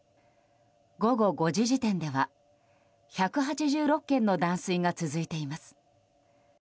午後５時時点では１８６軒の断水が続いています。